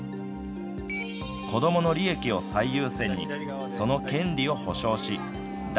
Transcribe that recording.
こどもの利益を最優先にその権利を保障し誰